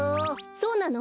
そうなの？